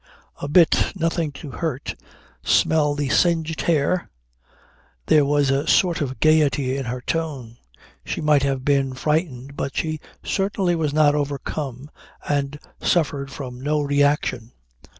"A bit. Nothing to hurt. Smell the singed hair?" There was a sort of gaiety in her tone. She might have been frightened but she certainly was not overcome and suffered from no reaction.